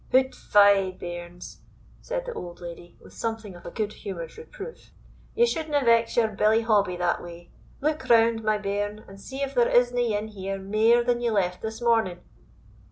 "Hout fie, bairns!" said the old lady, with something of a good humoured reproof, "ye shouldna vex your billy Hobbie that way. Look round, my bairn, and see if there isna ane here mair than ye left this morning."